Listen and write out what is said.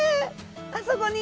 あそこに！